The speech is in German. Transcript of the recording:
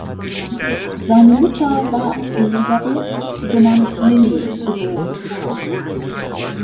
Seine Mutter war Elisabeth genannt Lilly, geb.